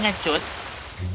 gildan itu bukan pengecut